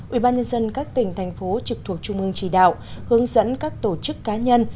ủy ban nhân dân các tỉnh thành phố trực thuộc trung ương chỉ đạo hướng dẫn các tổ chức cá nhân